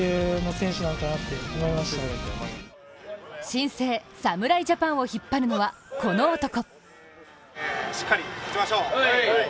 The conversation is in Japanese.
新生・侍ジャパンを引っ張るのは、この男。